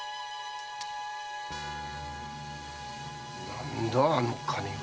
・何だあの金は？